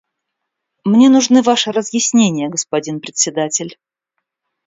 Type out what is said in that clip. Мне нужны Ваши разъяснения, господин Председатель.